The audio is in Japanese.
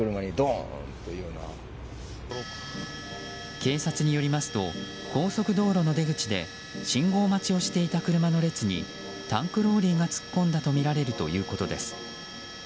警察によりますと高速道路の出口で信号待ちをしていた車の列にタンクローリーが突っ込んだとみられるということです。